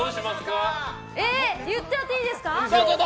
言っちゃっていいですか？